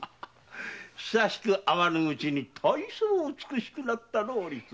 久しく会わぬうちにたいそう美しくなったのう。